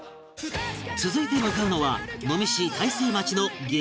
続いて向かうのは能美市大成町の激